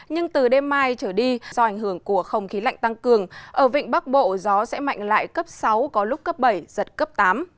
nhưng từ đêm mai trở đi do ảnh hưởng của không khí lạnh tăng cường ở vịnh bắc bộ gió sẽ mạnh lại cấp sáu có lúc cấp bảy giật cấp tám